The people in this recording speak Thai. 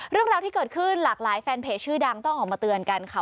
เรื่องราวที่เกิดขึ้นหลากหลายแฟนเพจชื่อดังต้องออกมาเตือนกันค่ะ